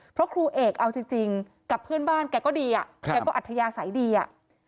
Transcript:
เพราะครูเอกเอาจริงกับเพื่อนบ้านแกก็ดีอ่ะแกก็อัธยาศัยดีอ่ะ